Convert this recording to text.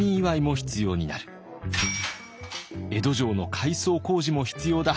江戸城の改装工事も必要だ。